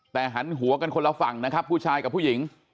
แต่หันหัวกันคนละฝั่งนะครับผู้ชายกับผู้หญิง